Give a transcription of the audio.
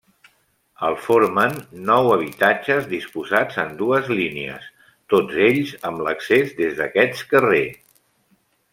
El formen nou habitatges disposats en dues línies, tots ells amb l'accés des d'aquest carrer.